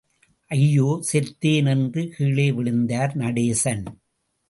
ஐயோ செத்தேன் என்று கீழே விழுந்தார் நடேசன்.